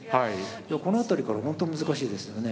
この辺りからほんと難しいですよね